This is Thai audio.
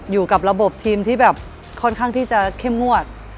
อยู่กับระบบทีมที่แบบค่อนข้างที่จะเข้มงวด